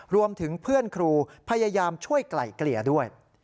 รวมถึงเพื่อนครูพยายามช่วยไกล่เกลี่ยด้วย